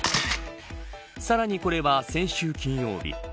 さらに、これは先週金曜日。